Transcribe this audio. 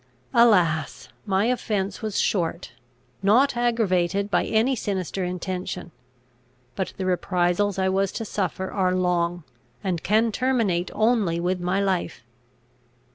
Alas! my offence was short, not aggravated by any sinister intention: but the reprisals I was to suffer are long, and can terminate only with my life!